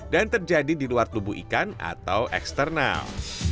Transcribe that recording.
dan terjadi di luar tubuh ikan atau eksternal